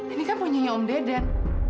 ini kan punya om deden